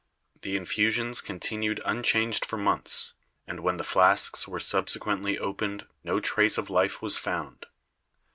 The infusions continued un changed for months, and when the flasks were subsequently opened no trace of life was found.